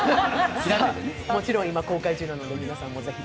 もちろん今、公開中なのでぜひ。